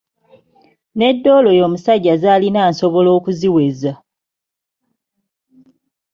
N'ezo doola oyo omusajja zaalina nsobola okuziweza!